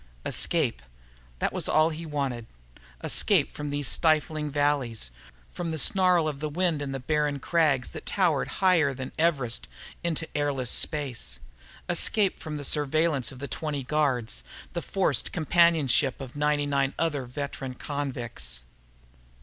Escape. That was all he wanted. Escape from these stifling valleys, from the snarl of the wind in the barren crags that towered higher than Everest into airless space. Escape from the surveillance of the twenty guards, the forced companionship of the ninety nine other veteran convicts.